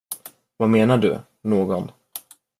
Vad menar du, någon?